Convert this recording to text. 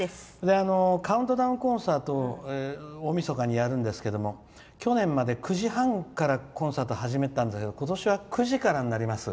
カウントダウンコンサートを大みそかにやるんですけれども去年まで９時半からコンサートを始めてたんですけど今年は９時からになります。